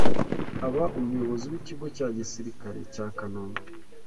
aba Umuyobozi w’Ikigo cya Gisirikare cya Kanombe